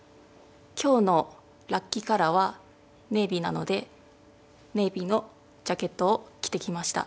今日のラッキーカラーはネイビーなのでネイビーのジャケットを着てきました。